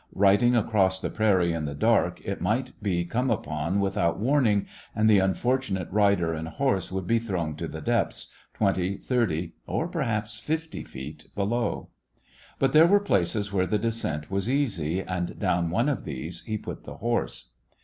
Riding across the prairie in the dark, it might be come upon without warn ing and the unfortunate rider and horse would be thrown to the depths, twenty, thirty, or perhaps fifty feet below. But there were places where the descent was easy, and down one of these places he put the horse.